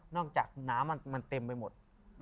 จากน้ำมันเต็มไปหมด